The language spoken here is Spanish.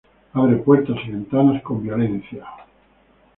Abre puertas y ventanas con violencia.